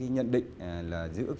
nhận định là giữa